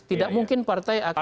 tidak mungkin partai akan